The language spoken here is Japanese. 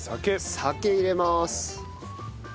酒入れます。